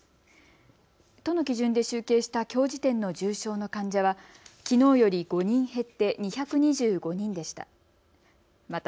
都の基準で集計したきょう時点の重症の患者はきのうより５人減って２２５人でした。